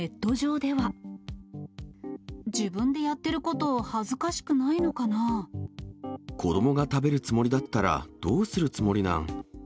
自分でやってること、子どもが食べるつもりだったらどうするつもりなん？